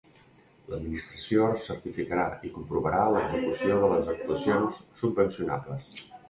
L'Administració certificarà i comprovarà l'execució de les actuacions subvencionables.